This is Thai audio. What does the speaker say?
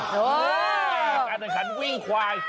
เนี่ยการขังขันวิ่งควาย